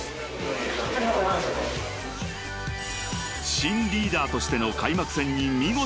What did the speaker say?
［新リーダーとしての開幕戦に見事勝利］